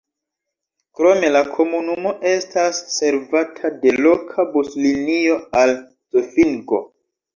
Krome la komunumo estas servata de loka buslinio al Zofingo.